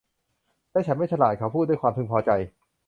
และฉันไม่ฉลาด เขาพูดด้วยความพึงพอใจ